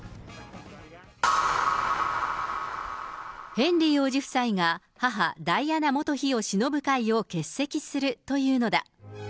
ヘンリー王子夫妻が母、ダイアナ元妃をしのぶ会を欠席するというのだ。